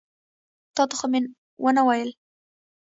تا ته خو مې ونه ویل.